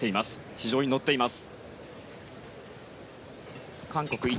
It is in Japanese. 非常に乗っています。